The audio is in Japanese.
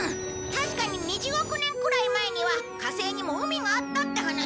確かに２０億年くらい前には火星にも海があったって話だよ。